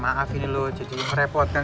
maafin lu jadi merepot kan